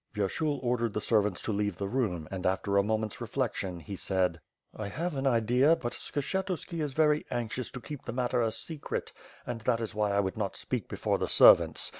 Vyershul ordered the servants to leave the room and, after a moment's reflection, he said: "I have an idea, but Skshetuski is very anxious to keep the matter a secret, and that is why I would not speak before the servants.